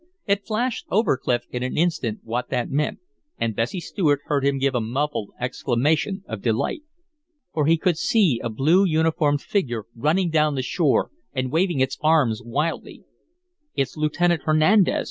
It flashed over Clif in an instant what that meant, and Bessie Stuart heard him give a muffled exclamation of delight. For he could see a blue uniformed figure running down the shore and waving its arms wildly. "It's Lieutenant Hernandez!"